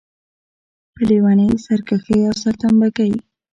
په لېونۍ سرکښۍ او سرتمبه ګۍ.